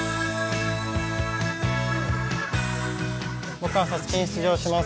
僕は「ＳＡＳＵＫＥ」に登場します。